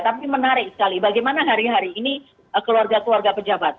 tapi menarik sekali bagaimana hari hari ini keluarga keluarga pejabat